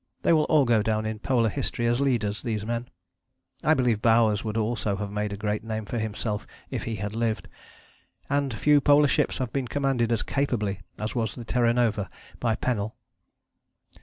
They will all go down in polar history as leaders, these men. I believe Bowers would also have made a great name for himself if he had lived, and few polar ships have been commanded as capably as was the Terra Nova, by Pennell.